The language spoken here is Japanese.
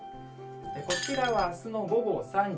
こちらはあすの午後３時。